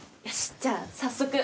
じゃあ早速。